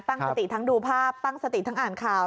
ตั้งสติทั้งดูภาพตั้งสติทั้งอ่านข่าว